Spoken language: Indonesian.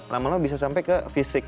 lama lama bisa sampai ke fisik